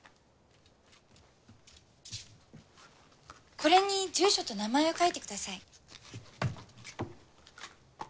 これに住所と名前を書いてください。